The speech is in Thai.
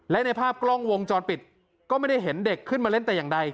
และในภาพกล้องวงจรปิดก็ไม่ได้เห็นเด็กขึ้นมาเล่นแต่อย่างใด